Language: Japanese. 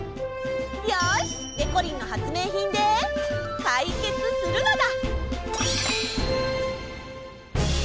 よし！でこりんの発明品でかいけつするのだ！